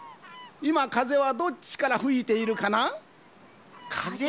いまかぜはどっちからふいているかな？かぜ？